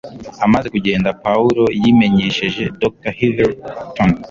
Amaze kugenda, Pawulo yimenyesheje Dr Heatherton